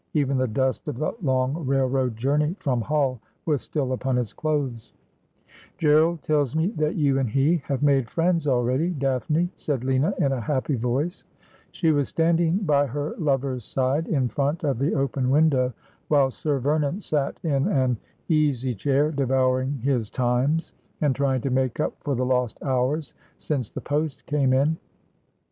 Even the dust of the long railroad journey from Hull was still upon his clothes. 104 Asphodel. ' Gerald tells me that you and lie have made friends already, Daphne,' said Lina in a happy voice. She was standing by her lover's side in front of the open ■window, while Sir Vernon sat in an easy chair devouring his Times, and trying to make up for the lost hours since the post came in.